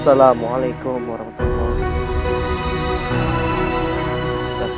assalamualaikum warahmatullahi wabarakatuh